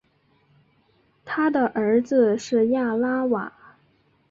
他的儿子是亚拉瓦。